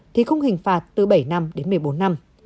thì không hình phạt từ bảy năm đến một mươi bốn năm